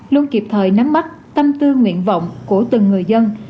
luôn kịp thời nắm mắt tâm tư nguyện vọng của từng người dân